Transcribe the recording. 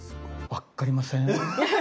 わっかりません。